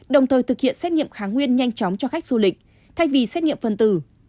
đồng thời thực hiện xét nghiệm kháng nguyên nhanh chóng cho khách du lịch thay vì xét nghiệm phân tử